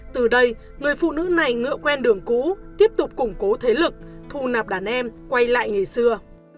từ đây người phụ nữ này ngựa quen đường cũ tiếp tục củng cố thế lực thù nạp đàn em quay lại ngày xưa